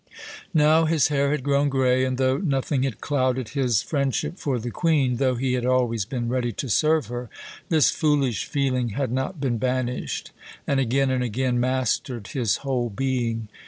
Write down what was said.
Now his hair had grown grey, and though nothing had clouded his friendship for the Queen, though he had always been ready to serve her, this foolish feeling had not been banished, and again and again mastered his whole being.